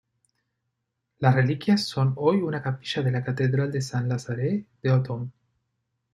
Las reliquias son hoy una capilla de la catedral de Saint-Lazare de Autun.